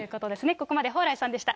ここまで蓬莱さんでした。